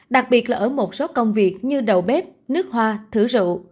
đặc biệt là ở một số công việc như đầu bếp nước hoa thử rựu